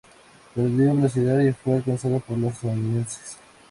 Perdió velocidad y fue alcanzado por los estadounidenses.